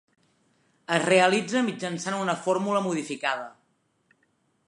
Es realitza mitjançant una fórmula modificada.